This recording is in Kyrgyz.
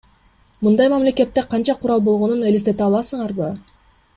Мындай мамлекетте канча курал болгонун элестете аласыңарбы?